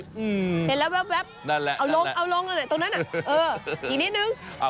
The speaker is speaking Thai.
เห็นแล้วเอาลงนั่นหน่ะตรงนั้นน่ะเอออีกนิดนึง